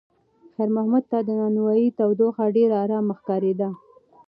خیر محمد ته د نانوایۍ تودوخه ډېره ارامه ښکارېده.